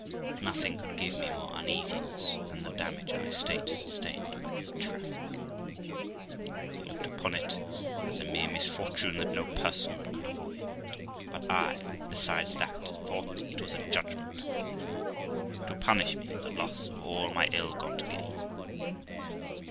Nothing could give more uneasiness than the damage our estate sustained by this traffic. He looked upon it as a mere misfortune that no person could avoid; but I, besides that, thought it was a judgment upon me, to punish me in the loss of all my ill got gain.